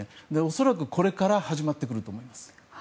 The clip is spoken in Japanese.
恐らく、これから始まってくると思います。